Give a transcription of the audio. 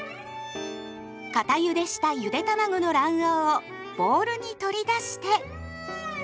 固ゆでしたゆでたまごの卵黄をボウルに取り出して。